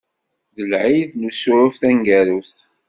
D Lɛid n Usuref taneggarut.